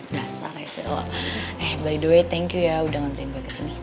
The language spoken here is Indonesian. gak salah sih lo by the way thank you ya udah nganterin gue kesini